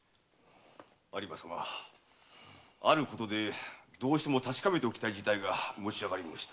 有馬様あることでどうしても確かめておきたい事態が持ち上がり申した。